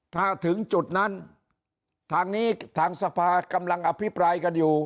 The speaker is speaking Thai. ถ้าถึงจุดนั้นทางนี้ทางสภากำลังอภิปรายกันอยู่